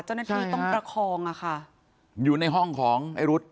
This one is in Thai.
เจ้าหน้าที่ต้องประคองอ่ะค่ะอยู่ในห้องของไอ้รุด